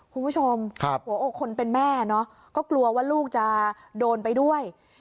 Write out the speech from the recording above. คุณผู้ชมหัวอกคนเป็นแม่เนาะก็กลัวว่าลูกจะโดนไปด้วย